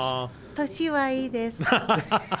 年はいいです。